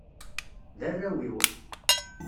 D arraw-iw.